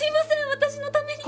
私のために。